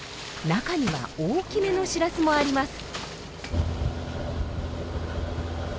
中には大きめのシラスもあります。